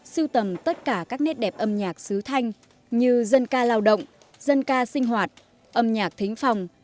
sưu tầm tất cả các nét đẹp âm nhạc sứ thanh như dân ca lao động dân ca sinh hoạt âm nhạc thính phòng